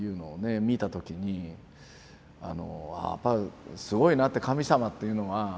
見た時にやっぱりすごいなって神様っていうのは。